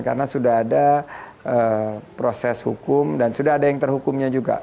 karena sudah ada proses hukum dan sudah ada yang terhukumnya juga